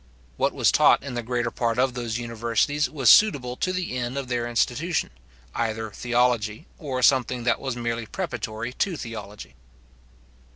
What was taught in the greater part of those universities was suitable to the end of their institution, either theology, or something that was merely preparatory to theology.